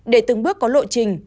để từng bước có lộ trình